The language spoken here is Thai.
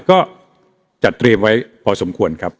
ก็จัดเตรียมไว้พอสมควรครับ